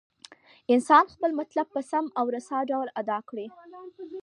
انسان خپل مطلب په سم او رسا ډول ادا کړي.